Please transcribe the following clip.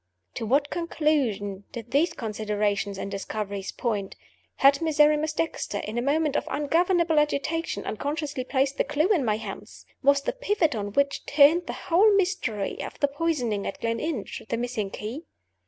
To what conclusion did these considerations and discoveries point? Had Miserrimus Dexter, in a moment of ungovernable agitation, unconsciously placed the clew in my hands? Was the pivot on which turned the whole mystery of the poisoning at Gleninch the missing key?